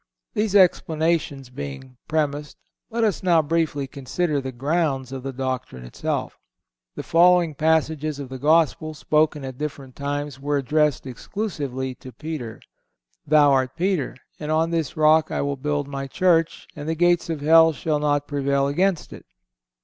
These explanations being premised, let us now briefly consider the grounds of the doctrine itself. The following passages of the Gospel, spoken at different times, were addressed exclusively to Peter: "Thou art Peter; and on this rock I will build My Church, and the gates of hell shall not prevail against it."